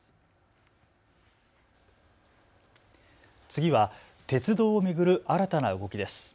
次は鉄道を巡る新たな動きです。